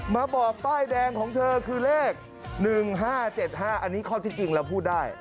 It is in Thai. มาบอกป้ายแดงของเธอคือเลข๑๕๗๕อันนี้ข้อที่จริงเราพูดได้